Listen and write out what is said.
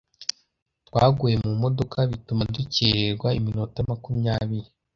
Twaguye mumodoka, bituma dukererwa iminota makumyabiri.